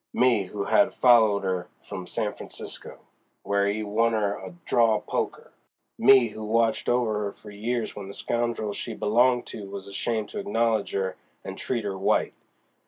—me who had followed 'er from San Francisco, where 'e won 'er at draw poker!—me who had watched over 'er for years w'en the scoundrel she belonged to was ashamed to acknowledge 'er and treat 'er white!